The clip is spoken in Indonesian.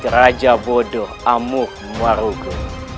lihat raja bodoh amuh mwarugo